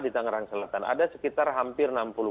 di tangerang selatan ada sekitar hampir